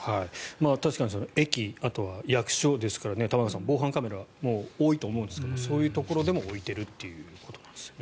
確かに駅、あとは役所ですから玉川さん防犯カメラも多いと思うんですがそういうところでも置いているということなんですね。